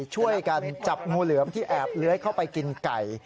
ช่วยกันจับงูเหลือมที่แอบเลื้อยเข้าไปกินไก่